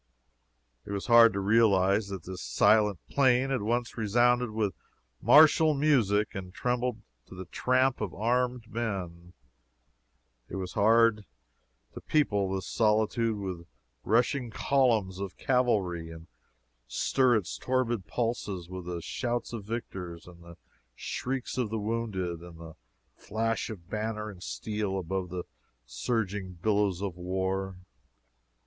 It was hard to realize that this silent plain had once resounded with martial music and trembled to the tramp of armed men. It was hard to people this solitude with rushing columns of cavalry, and stir its torpid pulses with the shouts of victors, the shrieks of the wounded, and the flash of banner and steel above the surging billows of war.